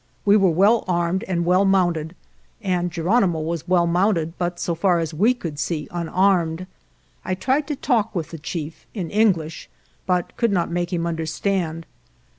We were well armed and well mounted and Ge ronimo was well mounted, but so far as we could see unarmed. I tried to talk with the chief (in English), but could not make him understand.